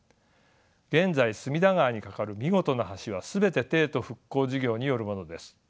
現在隅田川に架かる見事な橋は全て帝都復興事業によるものです。